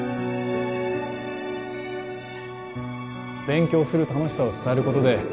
勉強する楽しさを伝えることで